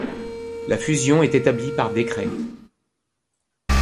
La fusion est établie par décret.